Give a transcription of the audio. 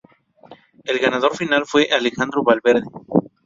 El ganador final fue Alejandro Valverde.